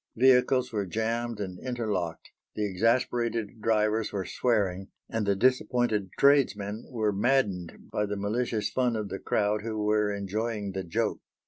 Vehicles were jammed and interlocked; the exasperated drivers were swearing, and the disappointed tradesmen were maddened by the malicious fun of the crowd who were enjoying the joke.